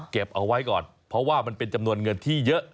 เอาไว้ก่อนเพราะว่ามันเป็นจำนวนเงินที่เยอะ